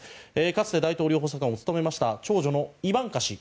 かつて大統領補佐官を務めました長女のイバンカ氏。